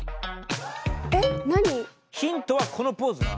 ヒントはこのポーズな！